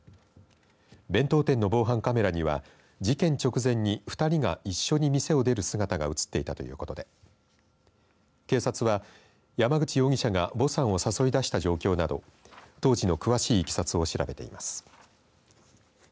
弁当店の防犯カメラには事件直前に２人が一緒に店を出る姿が映っていたということで警察は、山口容疑者がヴォさんを誘い出した状況など当時の詳しいいきさつを調べています。